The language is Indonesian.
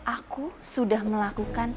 aku sudah melakukan